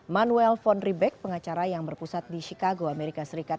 manuel fond ribek pengacara yang berpusat di chicago amerika serikat